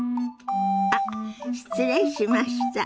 あっ失礼しました。